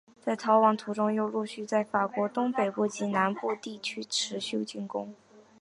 在逃亡途中又陆续在法国东北部及南部地区持续攻击。